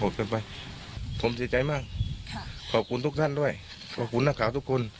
เกินไปผมเสียใจมากค่ะขอบคุณทุกท่านด้วยขอบคุณนักข่าวทุกคน